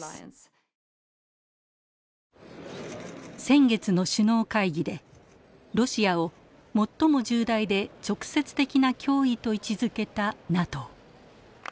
先月の首脳会議でロシアを「最も重大で直接的な脅威」と位置づけたＮＡＴＯ。